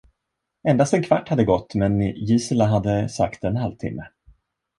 Endast en kvart hade gått, men Gisela hade sagt en halvtimme.